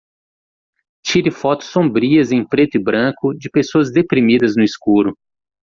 Tire fotos sombrias em preto e branco de pessoas deprimidas no escuro.